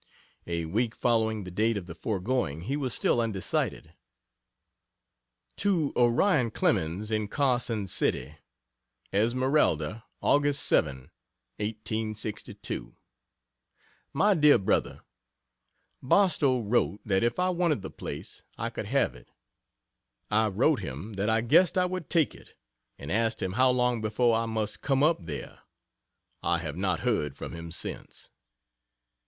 A week following the date of the foregoing he was still undecided. To Orion Clemens, in Carson City: ESMERALDA, Aug. 7, 1862. MY DEAR BRO, Barstow wrote that if I wanted the place I could have it. I wrote him that I guessed I would take it, and asked him how long before I must come up there. I have not heard from him since.